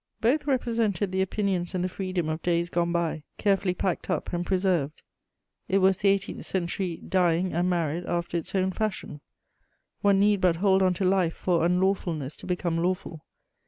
Both represented the opinions and the freedom of days gone by, carefully packed up and preserved: it was the eighteenth century dying and married after its own fashion. One need but hold on to life for unlawfulness to become lawful.